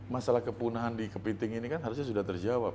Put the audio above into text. masalah kepunahan di kepiting ini kan harusnya sudah terjawab